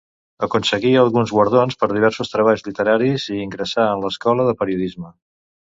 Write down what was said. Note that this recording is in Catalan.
Aconseguí alguns guardons per diversos treballs literaris i ingressà en l'Escola de Periodisme.